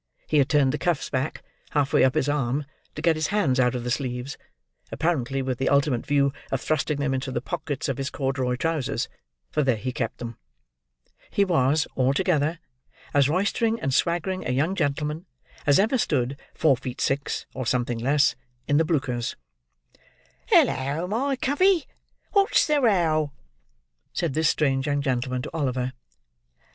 He had turned the cuffs back, half way up his arm, to get his hands out of the sleeves: apparently with the ultimate view of thrusting them into the pockets of his corduroy trousers; for there he kept them. He was, altogether, as roystering and swaggering a young gentleman as ever stood four feet six, or something less, in the bluchers. "Hullo, my covey! What's the row?" said this strange young gentleman to Oliver.